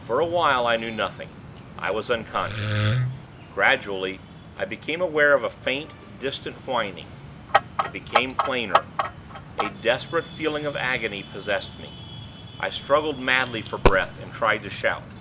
For a while, I knew nothing. I was unconscious. Gradually, I became aware of a faint, distant whining. It became plainer. A desperate feeling of agony possessed me. I struggled madly for breath, and tried to shout.